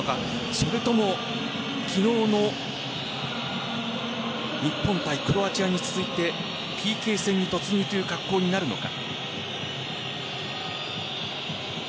それとも昨日の日本対クロアチアに続いてＰＫ戦に突入という格好になるのか。